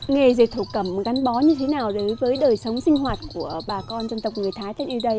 nghề dệt thổ cầm gắn bó như thế nào đối với đời sống sinh hoạt của bà con dân tộc người thái